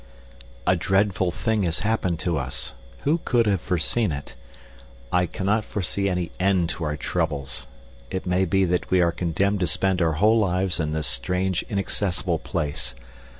A dreadful thing has happened to us. Who could have foreseen it? I cannot foresee any end to our troubles. It may be that we are condemned to spend our whole lives in this strange, inaccessible place.